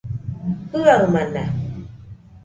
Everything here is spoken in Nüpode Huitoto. Jiaɨamana